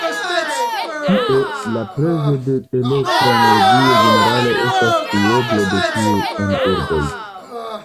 Tie la prezo de elektra energio ĝenerale estas duoblo de tiu en urboj.